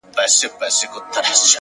هره لحظه د جوړولو ځواک لري.